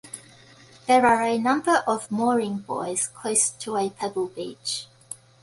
There are a number of mooring buoys close to a pebble beach.